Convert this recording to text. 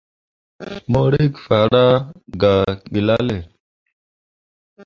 Mo rǝkki farah gah gelale.